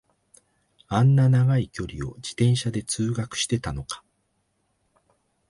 あんな長い距離を自転車で通学してたのか